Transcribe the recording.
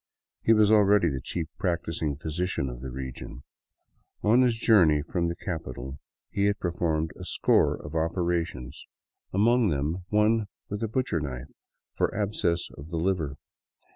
He was already the chief practicing physician of the region. On his journey from the capital he had performed a score of opera tions, among them one with a butcher knife for abscess of the liver.